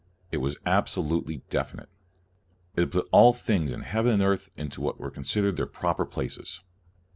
It was abso lutely definite. It had put all things in heaven and earth into what were con sidered their proper places.